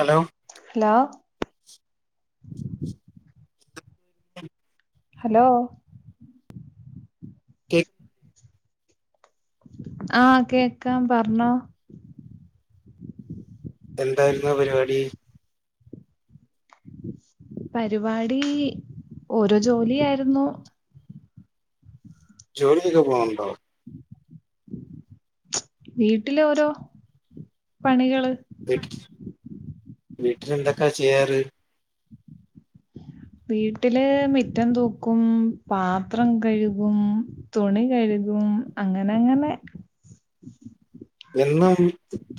Hello hello hello കേ ആഹ് കേക്കാം പർഞ്ഞോ എന്തായ്രുന്നു പരിപാടി? ഉം പരിവാടി ഓരോ ജോലിയാര്ന്നു. ജോലിക്കെക്കെ പോണ്ടോ? വീട്ടിലോരോ പണികള് വീട്ട് വീട്ടിലന്തക്കാ ചെയ്യാറ് വീട്ടില് മിറ്റം തൂക്കും പാത്രം കഴുകും. തുണി കഴുകും അങ്ങനെ അങ്ങനെ എന്നും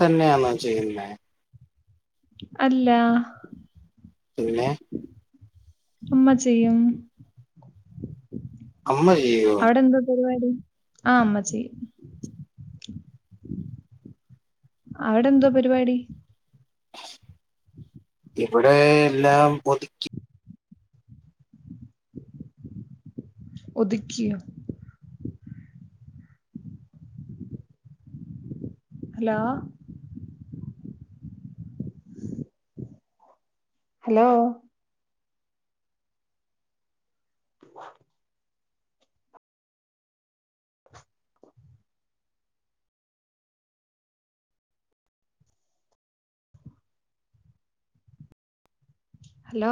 തന്നെയാണോ ചെയ്യുന്നെ അല്ല പിന്നെ അമ്മ ചെയ്യും. അമ്മ ചെയ്യോ അവിടെന്താ പരിവാടി ആഹ് അമ്മ ചെയ്യും അവിടെന്തോ പരിപാടി? ഇവിടെ എല്ലാം ഒതുക്കി ഒതുക്കിയോ ഹലോ ഹലോ ഹലോ